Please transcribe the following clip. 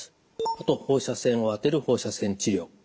あと放射線を当てる放射線治療。